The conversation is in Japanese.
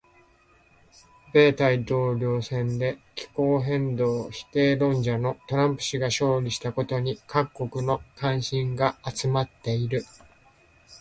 米大統領選で気候変動否定論者のトランプ氏が勝利したことに各国の関心が集まっている。